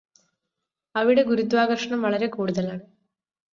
അവിടെ ഗുരുത്വാകര്ഷണം വളരെ കൂടുതലാണ്